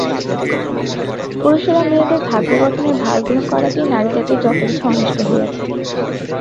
পুরুষেরা মেয়েদের ভাগ্য গঠনের ভার গ্রহণ করাতেই নারীজাতির যত কিছু অনিষ্ট হইয়াছে।